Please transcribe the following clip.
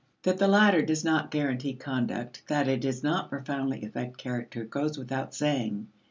That the latter does not guarantee conduct, that it does not profoundly affect character, goes without saying.